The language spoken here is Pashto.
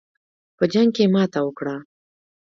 په جنګ کې ماته وکړه.